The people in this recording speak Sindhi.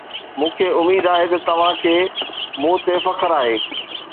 مون کي اميد آهي ته توهان کي مون تي فخر آهي.